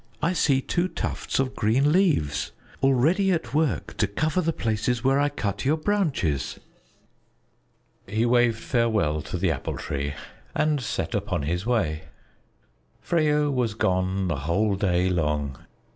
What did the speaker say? "I see two tufts of green leaves already at work to cover the places where I cut your branches." He waved farewell to the Apple Tree and set upon his way. Freyo was gone the whole day long.